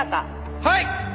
はい。